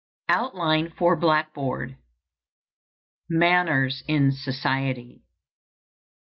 OUTLINE FOR BLACKBOARD. MANNERS IN SOCIETY.